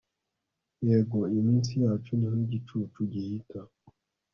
yego, iminsi yacu ni nk'igicucu gihita